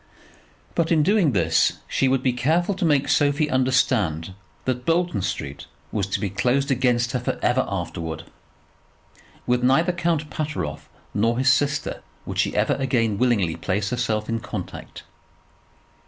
But in doing this she would be careful to make Sophie understand that Bolton Street was to be closed against her for ever afterwards. With neither Count Pateroff nor his sister would she ever again willingly place herself in contact.